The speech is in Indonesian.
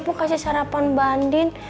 bu kasih sarapan ke andin